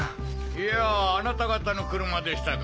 いやぁあなた方の車でしたか。